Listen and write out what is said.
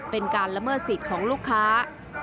เป็นการละเมิดสิทธิ์ของลูกค้า